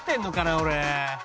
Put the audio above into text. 俺。